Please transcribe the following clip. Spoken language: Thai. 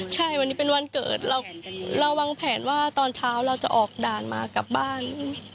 ใช่วันนี้เป็นวันเกิดเราวางแผนว่าตอนเช้าเราจะออกด่านมากลับบ้าน